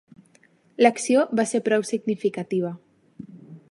L'acció va ser prou significativa.